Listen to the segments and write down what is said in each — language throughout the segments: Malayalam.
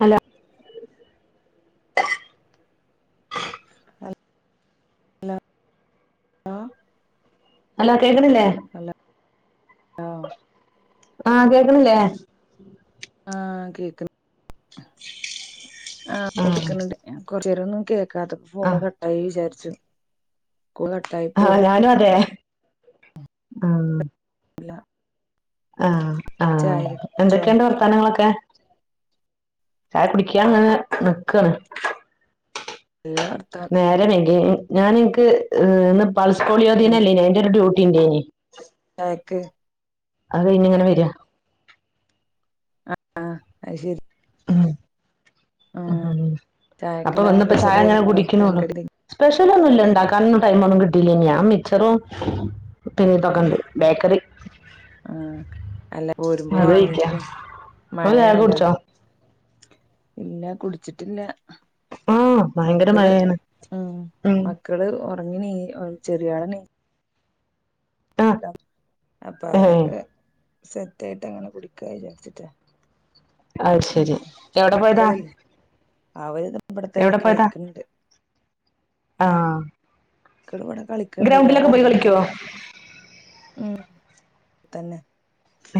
ഹലോ ലോ ഹലോ കേക്ണില്ലേ ഹലോ ആഹ് കേക്ക്‌ണില്ലേ ആഹ് കേക്ണ് ആഹ് അപ്പൊ വിളിക്കുന്നുണ്ട് കൊർച്ചേരം ഒന്നും കേക്കാത്തെ ഫോണ് ആഹ് കട്ടായി വിചാര്ച്ചു കോൾകട്ടായി ആഹ് ഞാനു അതെ ആഹ് ഇല്ല ഉം ആഹ് ആഹ് ചായ കുടിച്ചോ എന്തൊക്കെഉണ്ട് വർ ത്താനങ്ങളൊക്കെ ചായ കുടിക്കാൻ ങ്ങനെ നിക്കാണ് നല്ല വർത്ത നേരം വൈകി ഞാൻ ൻക്ക് ഇന്ന് പൾസ്പോളിയോ ദിനല്ലേയ്ന്യോ അയ്‌ന്റെ ഒരു ഡ്യൂട്ടിണ്ടേയ്നി ആർക് അഹ് കയിഞ്ഞ് എങ്ങനെ വര ആഹ് അഹ് അഹ്ശരി ഉം അപ്പൊ ചായക്കെന്താ വന്ന്പ്പോ സ്പെഷ്യൽ ചായ എങ്ങനെ എന്തെങ്കിലുണ്ടോ കുടിക്കുണോള്ളു എണ്ണക്കടി സ്പെഷ്യലൊന്നുല്ലാ എന്തെ ഇണ്ടാക്കാനൊ ന്നും ടൈമൊന്നും കിട്ടീല്ലെയ്ഞ്ഞി ഞാൻ മിച്ചറും പിന്നെഇതൊക്കെണ്ട് ബേക്കറി ആഹ് അല്ല പോരുമ്പോ അത് കഴിക്കാ വാങ്ങിക്കും ഇങ്ങള് ചായ മഴെണല്ലോ കുടിച്ചോ ഇല്ല കുടിച്ചിട്ടില്ല ആഹ് ഭയങ്കര മക്കള് മഴെണ് ഉം മക്കള് ഒറങ്ങിണീ ഒ ചെരാണ്‌ ആഹ് അപ്പൊ ഏഹ് അവരക്ക് സെറ്റായിട്ട് എ ങ്ങനെ കുടിക്കാ വിചാരിച്ചിട്ടാ അത് ഉം ശരി എവിടെ പോയതാ മക്കളില്ലെ അവര് ഇവിടെ തന്നെ എവിടെ പോയതാ കളിക്കണ്ട് മക്കൾ ആഹ് ഇവിടെ കളിക്കണ്ട് ഗ്രൗണ്ടിലൊക്കെ പോയി കളിക്കോ ഉ തന്നെ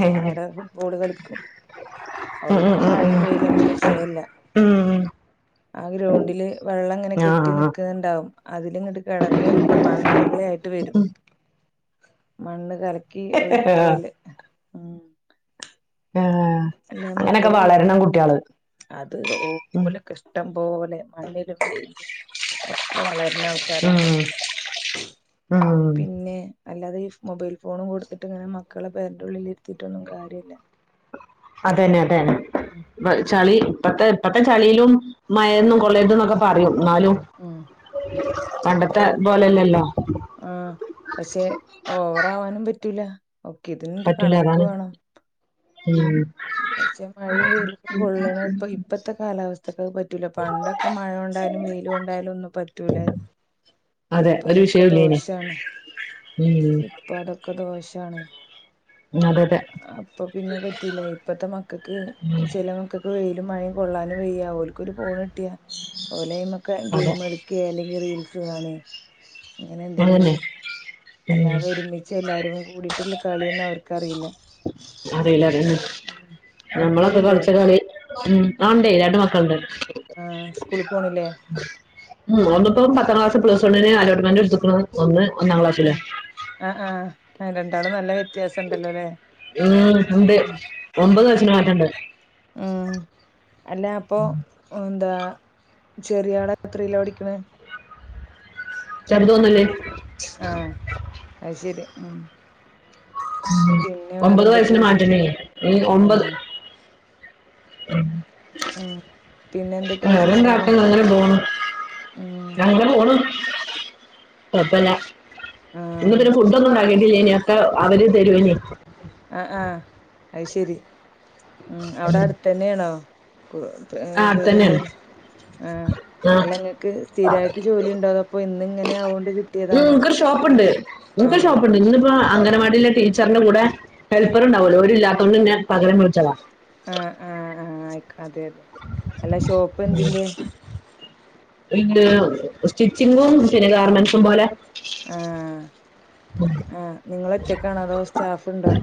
ഏഹ് അവ്ടെ ഫുട്ബോള് കളിക്കും ഉം ഉം ഓൽക്ക് ഉം മഴയും വെയിലൊന്നും വിശയല്ല ഉം ഉം ആഹ ഗ്രൗണ്ടില് വെള്ളം ഇങ്ങനെ കെട്ടി ആഹ് നിക്ക്‌ന്ണ്ടാവും അതില് ഇങ്ങട്ട് കിടന്നുർണ്ട് മണ്ണു ഉറള ആയിട്ട് വരും മണ്ണ് കലക്കി ഒഴിച്ച പോലെ ഉം ആഹ് അല്ല അങ്ങനൊക്കെ മക്കളില്ലേ വളരണം കുട്ട്യാള് അത് ഓ ഉം ഓലെക്കെ ഇഷ്ടം പോലെ മണ്ണിലും വെയിലും ഒക്കെ വളര്ന്ന ആൾ ഉം ഉം പിന്നെ അല്ലാതെ ഈ മൊബൈൽ ഫോണും കൊടുത്തിട്ട് ഇങ്ങനെ മക്കളെ പെര്ന്റെ ഉള്ളില് ഇരുത്തിട്ടൊന്നും കാര്യല്ല അതെന്നെ അതെന്നെ ഉം മ ചളി പ്പത്തെ ഇപ്പത്തെ ചളിലും മഴൊന്നും കൊള്ളര്ത് ന്നൊക്കെ പറയും ന്നാലും ഉം പ പണ്ടത്തെ പോലെല്ലല്ലോ ആഹ പക്ഷെ ഓവറാവാനും പറ്റൂല ഓക്കെ ഇതിന് ഒരു പറ്റൂല കണക്ക് അതാണ് വേണം ഉം പക്ഷെ മഴയും വെയിലുംക്കെ കൊള്ളണ ഇപ്പ ഇപ്പത്തെ കാലാവസ്ഥക്കെ പറ്റൂല പണ്ടൊ ക്കെ മഴ കൊണ്ടായാലും വെയിലും കൊണ്ടായാലും ഒന്നും പറ്റൂലായിരുന്നു അതെ ഇപ്പ ഒരു അതൊക്കെ വിഷയവുംല്ലനെ ഉ പ്പൊ അതൊക്കെ ദോശാണ് അതെ അതെ അപ്പൊ പിന്നെ പറ്റൂല ഇപ്പത്തെ മക്കൾക്ക് ഉം ചലേ മക്കൾക്ക് വെയിലും മഴയും കൊള്ളാനും വെയ്യ ഓലക്കൊരു ഫോണ് കി ട്ടിയാ ഓലൈമ ക്കെ അതെ ഗെയിം കളിക്കഅല്ലെങ്കിൽ റീൽസ് കാണ അങ്ങനെ എന്തെങ്കിലും അതന്നെ ഉം അല്ലാതെ ഒരുമിച്ച് എല്ലാരും കൂടിട്ടുള്ള കളിയന്ന അവർക്ക് അതല്ല അതെ ഉം നമ്മളൊക്കെ മക്കളില്ലേ കളിച്ച ഉ ആഇ ണ്ടേ രണ്ട് മക്കള ഉണ്ട് ആഹ സ്കൂളിൽ പോണില്ലേ ഉ ഒന്നിപ്പ പത്താം ക്ലാസ് പ്ലസ് വണ്ണിന് അലോട്ട്മെന്റ് എടുത്ക്ണ് ഒന്ന് ഒന്നാം ആ ക്ലാസ്സിലാ ആ ആ രണ്ടാളും നല്ല വ്യത്യാസം ഉണ്ടല്ലോ ല്ലേ ഉം ഉണ്ട് ഒമ്പത് വയസിന് മാറ്റം ണ്ട് ഉം അല്ല അപ്പൊ എന്താ ചെറിയാള് എത്രയിലാ പഠിക്ണ് ചെറുത തോന്നല്ലേ ആഹ അത് ശരി ഉം പിന്നെ ഒമ്പത് വേറെന്തൊക്കെയ വയസ്സിന് വിശേഷം മാറ്റണേ ആ ഒമ്പത് ഉം പിന്നെ എന്തൊക്കെയ വിശേഷങ്ങള് ഉം [unintelligible] [inaudible] ഞങ്ങനെ ഓണ് കൊയപ്പല്ല ആ ഇന്നത്തെ ഫുഡ ഒന്നും ഉണ്ടാക്കട്ടില്ലന ഒക്കെ അവര് തരുവേനി ആ ആഹ അത് ശരി ഉം അവിടെ അടുത്ത തന്നെയാണോ ആ [inaudible] ജോലി അടുത്തന്നെയാണ് ഉണ്ടായത് ആഹ ആ അല്ല നിങ്ങൾക്ക് സ്ഥിരായിട്ട് ജോലി ഉണ്ടാ അപ്പൊ ഇന്ന് ഇങ്ങനെ ആവോണ്ട് കിട്ടിയതാണോ ഷോപ്പ് ഉണ്ട് ന്ക്ക് ആ ഷോപ്പ് ഉണ്ട് ഇന്നിപ്പ അംഗനവാടിയിലെ ടീച്ചറിന്റെ കൂടെ ഹെൽപ്പർണ്ടാവുല്ലോ ഒരില്ലാത്തതു കൊണ്ട് എന്നെ പകരം വിളിച്ചതാ ആഹ ആഹ ആ ആയി അതെ അതെ അല്ല ഷോപ്പ് എന്തിന്റെ സ്റ്റിച്ചിങ്ങും ചുരിദാർ മെന്റ്സും പോലെ ആഹ ആഹ നിങ്ങൾ ഒറ്റക്കാണോ അതോ സ്റ്റാഫ് ഉണ്ടോ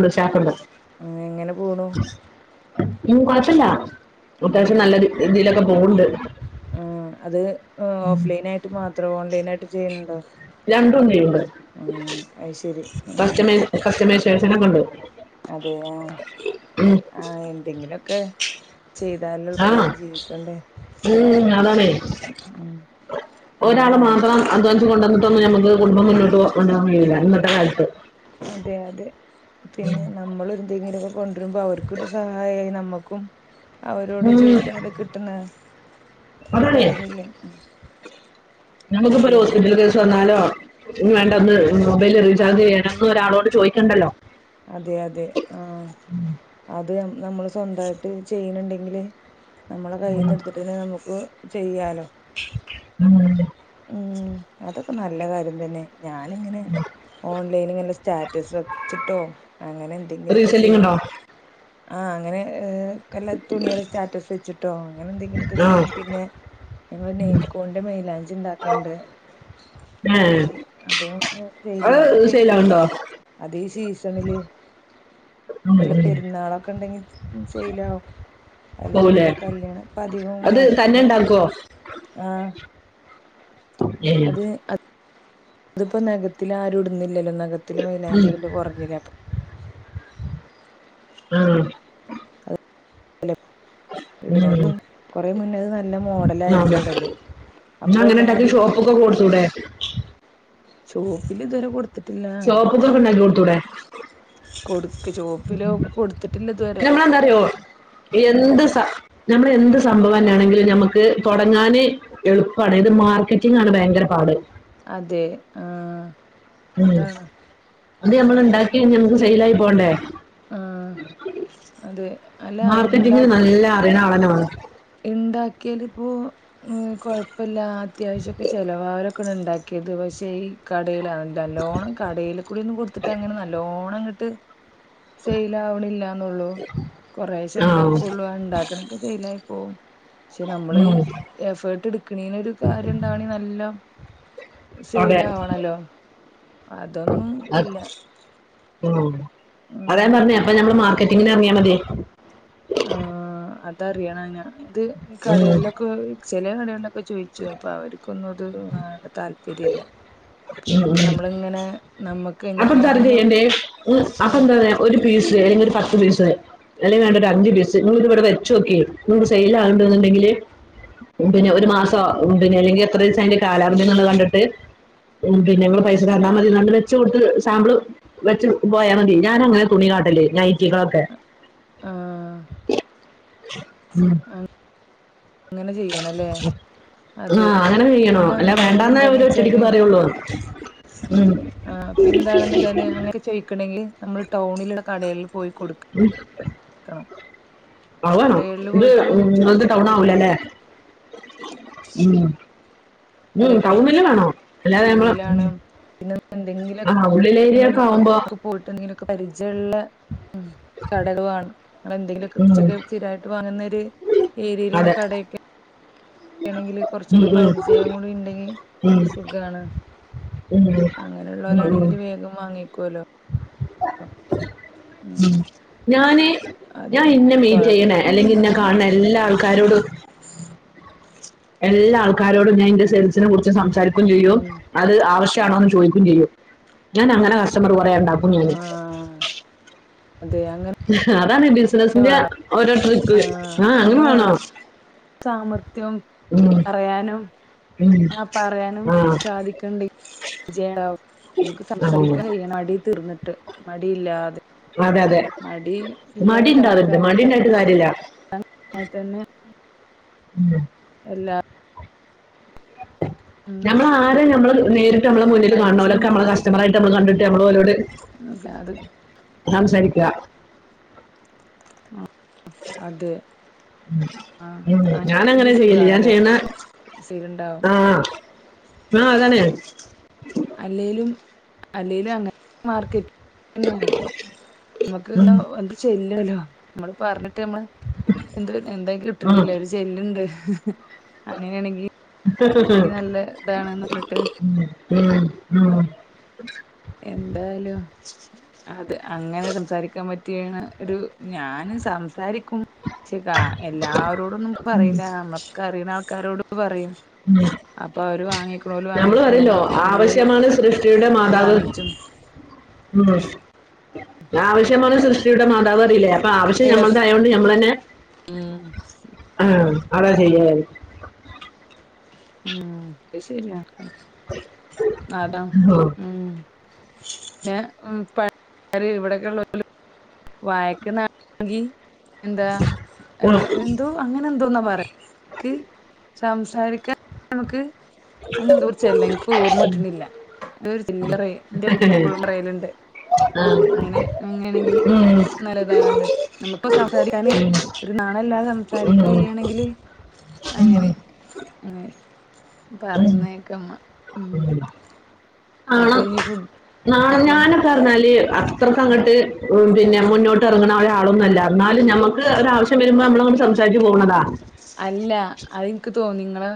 സ്റ്റാഫ് ഉണ്ട് എങ്ങനെ പോണു ഉം കൊ ഴപ്പല്ല ഉം അത്യാവശ്യം നല്ല രീതിയിലൊക്കെ പോവണ്ട് ആ അത് ഓഫ് ലൈൻ ആയിട്ട് മാത്രം ഓൺലൈൻ ആയിട്ട് ചെയ്യുന്നുണ്ടോ [inaudible] അത് ശരി ഉം കസ്റ്റമൈസേഷൻ ഒക്കെ ഉണ്ട് അതെ ആഹ എന്തെങ്കിലും ഒക്കെ ആഹ ഉം അതാണ് ഉം ഒരാള് നമ്മളാണ് മാത്രം അധ്വാനിച്ച് കൊണ്ടുവന്നിട്ടൊന്നും നമുക്ക് കുടുംബം മുന്നോട്ട് കൊണ്ടുപോകാൻ കഴിയില്ല ഇന്നത്തെ കാലത്ത് അതെ അതെ പിന്നെ നമ്മൾ എന്തെങ്കിലും കൊണ്ടുവരുമ്പോ അവർക്കൊരു സഹായായി നമ്മക്കും അവരോട് ഉം, ചോയിക്കാതെ കിട്ടുന്ന ഒരു അതാണേ കാര്യല്ലേ നമ്മുക്ക് ഒരു അതെ ഹോസ്പിറ്റലിൽ കേസ് ന്നാലോ വേണ്ട ഒന്ന് മൊബൈൽ റീചാർജ് ചെയ്യണംന്ന് ഒരാളോട് ചോദിക്കണ്ടല്ലോ അതെ അതെ ആഹ അത് നമ്മള് സ്വന്തമായിട്ട് ചെയ്യുന്നുണ്ടെങ്കില് നമ്മളെ കയ്യിൽന്ന് എടുത്തിട്ടന്നെ നമുക്ക് ചെയ്യാലോ ഉം അതൊക്കെ നല്ല കാര്യം തന്നെ ഞാനിങ്ങനെ ഓൺലൈൻ ഇങ്ങനെ സ്റ്റാറ്റസ് വെച്ചിട്ടോ അങ്ങനെ എന്തെങ്കിലുംലൊക്കെ റീസെല്ലിംഗ് ചെയ്യും ഉണ്ടോ ആ അങ്ങനെ ഏഹ് ഒക്കല്ലെ തുണിയാള് സ്റ്റാറ്റസ് വെച്ചിട്ടോ അങ്ങനെ എന്തെങ്കിലുംഒക്കെ ആ ചെയ്യും പിന്നെ ഞങ്ങള് നൈൽക്കോണ്ന്റെ മയ്ലാഞ്ചി ഉണ്ടാക്ക്ണ്ട്. ഏ അത്, അത് സെയ്ല് അത് അതൊക്കെ സെയിലാവുണ്ടോ [unintelligible] ണില് വല്ല പെരുന്നാളൊക്കെ ഇണ്ടെങ്കി സെയ്ലാവും. അല്ലെങ്കിൽ പോകൂലേ വല്ല കല്യാണം ഇപ്പ അധികവും നഖത്തില് ക്കോ ആഹ് [unintelligible] ത്പ്പോ നെഖത്തില് ആരും ഇടുന്നില്ലല്ലോ നഖത്തില് ആ. ഉം. മൈയിലാഞ്ചിടല് കൊർഞ്ഞിലെ? ആ, അഹ് ലെ ഇട്ന്നോര് കൊറെ മുന്ന്ത് ന്നല്ലെ മോഡലായിരുന്നു ഇടല്. ഇന്ന അപ്പൊ അങ്ങനെണ്ടാക്കി എല്ലാരും ഇട്ട് ഷോപ്പ്ക്കൊക്കെ കൊട്ത്തൂടെ? ഷോപ്പിലിത് വെരെ കൊട്ത് ഷോപ്പ്ക്കൊക്കെ ഇണ്ടാക്കികൊട്ത്തൂടെ? കൊടുക്ക് ചോപ്പില് കൊടുത്തിട്ടില്ല അല്ല ഇതുവരെ അമ്മള് എന്താറിയോ ഉം എന്ത്സ നമ്മളെ എന്ത് സംഭവംന്നാണെങ്കിലും നമ്മക്ക് തൊടങ്ങാന് എളുപ്പാണ് ഇത് മാർക്കറ്റിംങ്ങ് ആണ് ഭയങ്കരപാട്. അതെ ആഹ് ഉം അതാണ് ഇത് നമ്മൾ ഉണ്ടാക്കി കഴിഞ്ഞ് നമുക്ക് സെയ്ലായി പോണ്ടേ? ആഹ് അതെ അല്ല മാർക്കെറ്റിങ്ങ് ന്നല്ല അറിയണ ആളെന്നെവാണം ഇണ്ടാക്കിയൽ ഇപ്പോ ഹ് കൊഴപ്പല്ല അത്യാവശ്യക്കെ ചെലവാല് ഒക്കെണ് ഇണ്ടാക്കിയത് പശേ ഈ കടലോ ന്നല്ലോണം കടെയ്ൽ കൂടെന്ന് കൊടുത്തിട്ട് അങ്ങനെ ന്നല്ലോണംഅങ്ങട്ട് സെയിലാവ്ണില്ലന്നൊള്ളൂ കൊറെഷെ ആ ഇണ്ടാക്കുള്ളു ഇണ്ടാക്ക്ണൊക്കെ സെയിലായി ഷെ ന്നമ്മള് ഉം. എഫേർട്ട് എടുക്കണീന് കാര്യ ഇണ്ടാണെ ന്നല്ലോം അതെ സെയ്ലാവണല്ലോ അതൊന്നും ഇല്ല ആഹ് ഉം അതാ ഞാൻ പറഞ്ഞെ അത് അപ്പൊ ഞമ്മള് മാർക്കറ്റിങ്ങിന് അർങ്ങിയാൽ മതി. ആഹ് അതറിയണം അയ്ന് ഇത് ഈ ഉം കടകളിലൊക്കെ ചെലെകടകളിലൊക്കെ ഇപ്പ ചോയ്ച്ചു അപ്പൊ അവർക്കൊന്നും അത് വേണ്ടതാല്പര്യല്ല ഉം പിന്നെപ്പോ ഉം ന്നമ്മളിങ്ങനെ ന്നമ്മക്ക് അപ്പൊ എന്താറിയോ ചെയ്യണ്ടെ ഹ് അപ്പൊ എന്താറിയോ ഒരു പീസ് അല്ലെങ്കിൽഒരു പത്ത്പീസ് അല്ലെങ്കിൽവേണ്ട ഉം ഒരഅഞ്ച് പീസ് ഇങ്ങള് ഇവിടെവെച്ചോക്കി നിങ്ങള്ടെ സെയിൽ ആക്ണ്ട്ന്ന്ണ്ടെങ്കില് ഉം പിന്നെഒരു മാസം പിന്നെ അല്ലെങ്കി എത്രദിവസം അയ്ന്റെ കാലാവദിന്ന്ള്ള കണ്ടിട്ട് ഉം പിന്നെ പൈസ തന്നാമതിന്നർഞ് വെച്ച് കൊടുത് സാമ്പിൾ വെച്ച് പോയാൽമതി ഞാനങ്ങനെതുണി കാട്ടെല് നയ് റ്റികളൊക്കെ ആ ഉം അങ്ങനെ ചെയ്യണല്ലേ? അതെ ആഹ് അങ്ങനെ ചെയ്യണോ പിന്നെ അല്ല ഒന്നാമത് വേണ്ടാന്ന അവർ എന്താന്ന് ഒറ്റടിക്ക് വെച്ചാല് പറയൊള്ളൂ ഉം ആഹ് പിന്നെന്താണെന്ന് വെച്ചാല് അങ്ങനെ ചോയ്ക്കണെങ്കിൽ ന്നമ്മൾ ടൗണിലുള്ള കടകളിൽപോയി കൊട്ക്കാ. ഉം ആഹ് വാണം കടകളിൽ ഇത്ഇ പോയിട്ട് ങ്ങളത് ചോദിച്ചിട്ട് ടൗൺ കൊടുക്കണം ആവൂലലേ? ഉം അല്ലെ ടൗണില് വേണം അല്ലാതെന്നമ്മള് കുറച്ചുള്ളിലാണ് പിന്നെ ആഹ് ഉള്ളിലേരിയൊക്കെ ആവുമ്പോ പോയിട്ട്ള്ള എന്തെങ്കിലുക്കെ പരിചയമുള്ള ഉം കടകൾവാണം ഇന്ന എന്തെങ്കിലൊക്കെ ഉം, കൊർച്ചൊക്കെ സ്തിരായ് ര് വാങ്ങ്ന്നൊരു ഏരിയിലുള്ള അതെ കടയൊക്കെ ക്കെണെങ്കില് ഉം, കൊർച്ചൊക്കെ ഉം, പരിചയം കൂടിഇണ്ടെങ്കി ഉം, സുഖാണ് ഉം, ഉം, ഉം, ഉം. അങ്ങനെഇള്ളോലാണെങ്കി വേഗം വാങ്ങി ക്കോലോ പ ഉം ഞാന് ഞാൻ അതെ ഇന്നെ മീറ്റെയ്യ്ണെ അല്ലെങ്കി കൊഴപ്പൊന്നുല്ല ഇന്നെ കാണുന്ന എല്ലാ ഉം ആൾക്കാരോടും എല്ലാ ആൾക്കാരോടും ഞാൻ എന്റെ സെരസിനെ കുറിച്ച് സംസാരിക്കയും ചെയ്യും ഉം അത് ആവശ്യമാണോന്ന് ചോയിക്കും ചെയ്യും ഞാൻ അങ്ങനെ കസ്റ്റമർ പറയാനണ്ടാക്കും ഞാന് ആഹ് അതെ അങ്ങനെ അതാണ് ബിസിനസിന്റെ വേണം ഓരോ ട്രിക്ക്‌ ആ അങ്ങനെ വേണോ സാമർഥ്യോം ഉം, പറയാനും ഉം, ആ പറയാനും ആ സാധിക്കണ്ടേ വിജയണ്ടാവും നമുക്ക് സംസാരിക്കാൻ ആ, മടി തീർന്നിട്ട് മടിയില്ലാതെ അതെ അതെ മടി ഇല്ലാതെ സംസാരിക്കാ രില്ല [unintelligible] അ തന്നെ ഉം [unintelligible] എല്ലാ ഉം നമ്മ ആരെ നമ്മള് നേരിട്ട് നമ്മള മുന്നിൽ മടിച്ച് കാണണലക്കെ നമ്മ ക ചമറായിട്ട നമ്മള് കണ്ടിട്ട് നമ്മള്ഓരോട് നക്കെ അത് സംസാരിക്ക അതെ ആഹ് ഉ ഉ ഞാൻ അങ്ങനെ ചെയ്യലേ ഞാൻ ചെയ്യുന്ന സീലണ്ടാവും ആഹ അതന്നെ അല്ലേലും അല്ലെലും അങ്ങനെ മാർക്കറ്റ് പിന്നെയ നമ്മുക്ക് ഉം, എന്താ എന്ത് ചെല്ലല്ലോ നമ്മള് പറഞ്ഞ നമ്മള് എന്ത് എന്തും ആ, കിട്ടണ്ടില്ല ഒരു ചെല്ലുണ്ട് അങ്ങനെയാണെങ്കിൽ ഉ പറഞ്ഞിട്ട് ഉം ഉ എന്തായാലും അതെ അങ്ങനെ സംസാരിക്കാൻ പറ്റിയാണ് ഒരു ഞാന് സംസാരിക്കും ശിക്കാ എല്ലാവരോട ഒന്നും പറയില നമ്മൾക്ക അറിയുന്ന ആൾക്കാരോട് പറയും ഉം. അപ്പൊ അവര് വാങ്ങിക്കണല വാങ്ങിക്കും നമ്മളൊെ മാണ് സൃഷ്ടിയുടെ മാതാവ് ഉ ആവശ്യമാണ് സൃഷ്ടിയുടെ മാതാവ് അറിയില്ലേ അപ്പൊ ആവശ്യം ഞമ്മൾ യെസ് അതണ്ട് നഞമ്മൾ തന്നെ ഉം ആ അത ചെയ്യ ഉം ശരിയാ അതാ ഉം, ഉ പിന്ന പ ഇവിടെൊക്കെ ഉള്ള വായക്ക് നാണെങ്കി എന്താ അല്ല ഉം. എന്തോ അങ്ങനെ എന്തോന്നാ പറയാക്ക് സംസാരിക്കാൻ നമക്ക് അങ്ങെ തർച്ചായില്ല എനക്ക് ഓർമട്ടില്ല അത ഒരു ചില്ലറ എന്റെ അമ്മയ്ക്ക് എപ്പോഴും യലുണ്ട് ആ, ഉം, അങ്ങനെ അങ്ങാണെങ്കിൽ ഉം ിട്ട് ന സംസാ ഒരു നാളല്ലും സംസാരിക്ക ഉം, െങ്ക ഉം, അങ്ങനെ ഉം. പറയുന്നതൊക്കെമ്മ ഉ അപ്പൊ ഇനി ഫുഡ് നാ അപ്പൊ ഇനി ഞാനൊക്കെ പറഞ്ഞാല് അത്രക്ക് ഉം അങ്ങോട്ട് പിന്നെ ഉം മുന്നോട്ട് ഇറങ്ങണ ഒരാളൊന്നുമല്ല എന്നാലും നമമ്മക്ക് ഒ ആവശ്യം വരുമ്പോൾ നമ്മള അങ്ങണ്ട് സംസാരിു പോകണതാ അല്ല അതെനിക്ക് തോന്നും നിങ്ങള്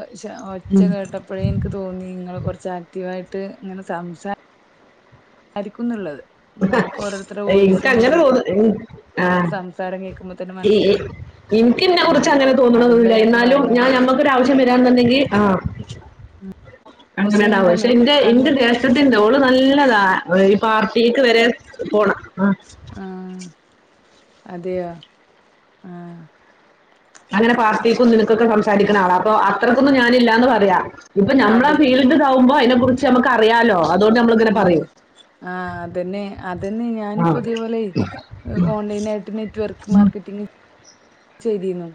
ഒച്ച കേട്ട ഇപ്പോഴേ എനിക്ക് തോന്നി നിങ്ങൾ കുറച്ച് ആക്റ്റീവ് ആായിട്ട് ഇങ്ങനെ സംസാ ആരിക്കുന്നുള്ളത് നമ്മുക്ക് ഓരോരുത്തരെ എനിക്ക് ഓയിസും അങ്ങനെ ഓരോരുത്തരെ തോന്നുന്നു ആ സംസാരം കേൾക്കുമ്പോ തന്നെ മനസ്സിലായ് എനിക്ക് എന്നെ കുറിച്ച് അങ്ങനെ തോന്നുണൊന്നില്ല ഞാൻ പറഞ്ഞത് എന്നാലും ഞാൻ ഞമ്മുക്ക് ഒരു ആവശ്യം വരാന്നുണ്ടെങ്കിൽ ആ അങ്ങനെ ഇണ്ടാവും പക്ഷെ എന്താന്നോ എന്റെ ഇന്റെ അങ്ങനെ ജ്യേഷ്ഠത്തി ഉണ്ട് ഓള് നല്ലതാ ഈ പാർട്ടിക്ക് വരെ പോണ ആഹ് അതെയോ ആഹ് അങ്ങനെ പാർട്ടിക്കും ഇതിനൊക്കെ സംസാരിക്ക്ണ ആളാ അപ്പൊ അത്രയ്ക്കൊന്നും ഞാനില്ലാന്ന് പറയാം ഇപ്പൊ അതെ. നമ്മളെഫീൽഡ് ഇത് താവുമ്പോ അതിനെ കുറിച്ച് നമുക്ക് അറിയാലോ ങ്ങനെ പറയൂ ആഹ് അതെന്നെ അതെന്നെ ആ ഞാനിപ്പൊ ഇതേപോലെ ഓൺലൈനായിട്ട് നെറ്റ്‌വർക്ക് ഉം. മാർക്കറ്റിംഗ് ചെയ്തിരുന്നു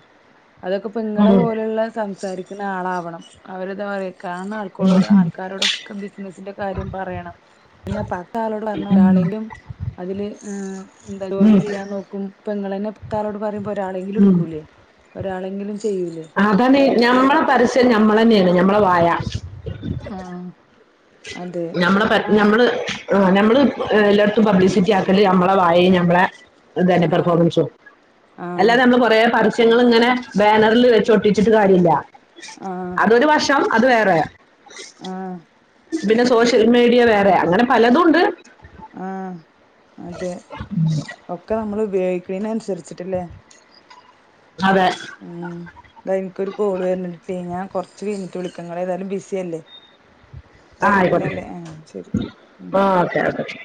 അതൊക്കെ ഇങ്ങളെ ഉം. പോലുള്ള സംസാരിക്കുന്ന ആളാവണം അവരെതാ പറയണ കാണുന്ന ആൾക്കാർ ഉം. ആൾക്കാരോടൊക്കെ ബിസിനസിന്റെ കാര്യം പറയണം പിന്ന പത്താളോട് പറഞ്ഞ ഒരാളെങ്കിലും അതില്ന്ത ജോയിൻ ഉം. ചെയ്യാൻ നോക്കും ഇപ്പ ഇങ്ങളന്നെ പത്താളോട് പറയുമ്പോ കയ്യിൽ ഉം. എടുക്കൂലേ ഒരാളെങ്കിലും ചെയ്യൂലേ അതന്നെ ഞമ്മളെ പരസ്യം ഞമ്മളെ ന്നെണ് ഞമ്മളെ വായ ആ അതെ. നമ്മള പ ആ ഞമ്മള് ആ നമ്മള് എല്ലായിടത്തും പബ്ലിസിറ്റി ആക്കല് ഞമ്മളെ വായി നമ്മളെ അതന്നെ ആ പെർഫോമൻസും ആ അല്ലാതെ നമ്മള് കൊറ പരസ്യങ്ങൾ ഇങ്ങനെ. ബാനറിൽ വെച്ചൊട്ടിച്ചിട്ട് കാര്യല്ല്യ ആഹ് അതൊരു വർഷം അത് വേറെ ആഹ് പിന്നെ സോഷ്യൽ മീഡിയ വേറെ അങ്ങനെ പലതുണ്ട് ആഹ് അതെ ഒക്കെ നമ്മൾ ഉപയോഗിക്കണന് അനുസരിച്ചിട്ടെല്ലേ. അതെ ഉം ഇത എനിക്കൊരു കോള് വരണണ്ടിട്ടിലി ഞാൻകുറച്ച് കഴഞ്ഞിട്ട് വിളിക്കങ്ങളെതാലും ബിസിയല്ലേ ആഹ് ആയിക്കോട്ടെ ശരി ഉം ഓക്കെ ഓക്കെ.